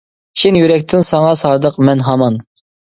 چىن يۈرەكتىن ساڭا سادىق مەن ھامان.